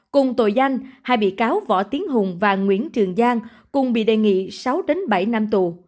cùng tội danh hai bị cáo võ tiến hùng và nguyễn trường giang cùng bị đề nghị sáu bảy năm tù